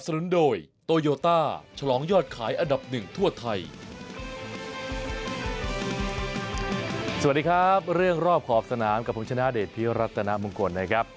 สวัสดีครับเรื่องรอบขอบสนามกับผมชนะเดชพิรัตนมงคลนะครับ